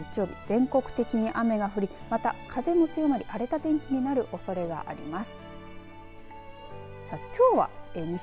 全国的に雨が降りまた、風も強まり荒れた天気になるおそれがあります。